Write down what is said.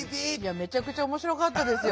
めちゃくちゃ面白かったですよ。